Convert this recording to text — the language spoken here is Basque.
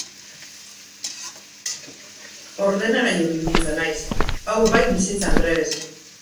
Ordenagailuekin mintzo naiz, hau bai bizitza aldrebesa!